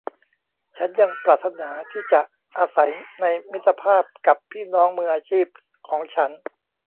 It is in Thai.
ฉันยังปรารถนาที่จะอาศัยในมิตรภาพกับพี่น้องมืออาชีพของฉัน